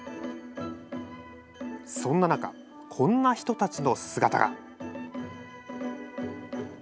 そんな中こんな人たちの姿が。